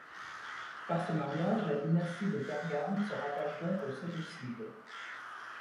Par ce mariage la dynastie de Pergame se rattache donc aux Séleucides.